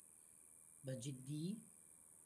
بەجددی؟